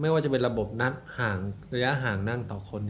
ไม่ว่าจะเป็นระบบหนาดอย่างห่างนั่งต่อคน